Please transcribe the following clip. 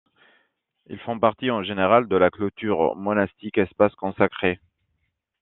Ils font partie en général de la clôture monastique, espace consacré.